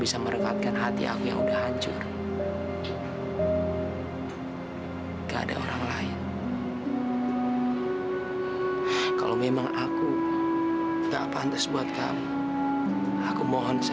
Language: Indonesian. sampai jumpa di video selanjutnya